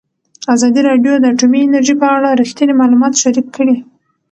ازادي راډیو د اټومي انرژي په اړه رښتیني معلومات شریک کړي.